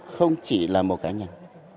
không chỉ là một cá nhân